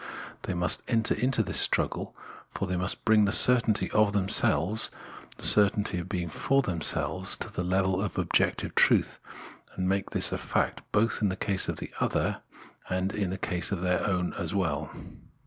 They ixlust enter into this struggle, for they 180 Phenomenology of Mind must bring their certainty of f,hemselves, the certainty of being for themselves, to the level of objective truth, and make this a fact both in the case of the other and in their ovm case as well.